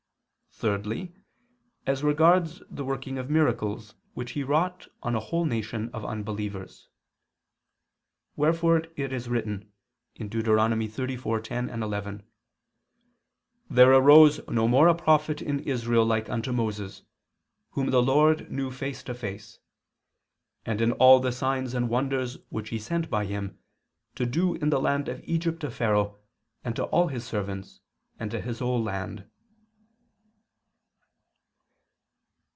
Thirdly, as regards the working of miracles which he wrought on a whole nation of unbelievers. Wherefore it is written (Deut. 34:10, 11): "There arose no more a prophet in Israel like unto Moses, whom the Lord knew face to face: in all the signs and wonders, which He sent by him, to do in the land of Egypt to Pharaoh, and to all his servants, and to his whole land."